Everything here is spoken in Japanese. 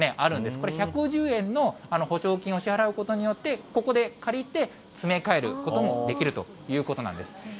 これ、１１０円の保証金を支払うことによって、ここで借りて、詰め替えることもできるということなんです。